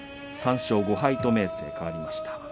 ３勝５敗と明生は変わりました。